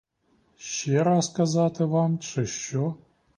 Ще раз казати вам, чи що?